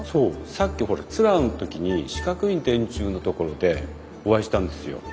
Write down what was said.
さっきツアーの時に四角い電柱の所でお会いしたんですよ。